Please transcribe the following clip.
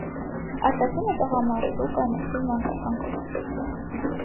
Արտադրում է տղամարդու, կանացի, մանկական կոշիկ։